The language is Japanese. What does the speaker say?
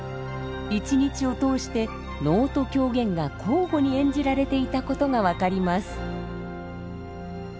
一日を通して能と狂言が交互に演じられていたことが分かります。